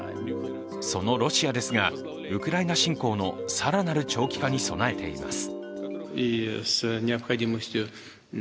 そのロシアですが、ウクライナ侵攻の更なる長期化に備えています。